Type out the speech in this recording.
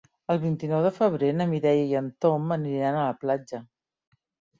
El vint-i-nou de febrer na Mireia i en Tom aniran a la platja.